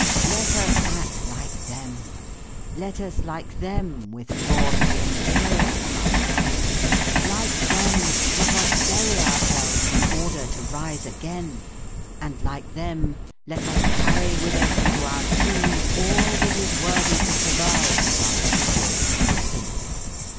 Let us act like them, let us like them withdraw to the interior of our planet. Like them, let us bury ourselves in order to rise again, and like them let us carry with us into our tomb, all that is worthy to survive of our previous existence.